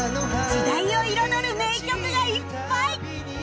時代を彩る名曲がいっぱい！